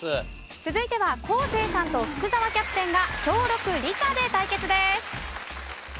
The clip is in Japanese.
続いては昴生さんと福澤キャプテンが小６理科で対決です。